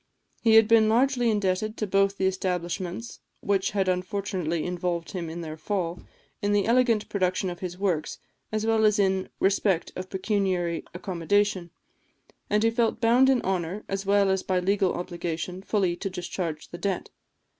He had been largely indebted to both the establishments which had unfortunately involved him in their fall, in the elegant production of his works, as well as in respect of pecuniary accommodation; and he felt bound in honour, as well as by legal obligation, fully to discharge the debt.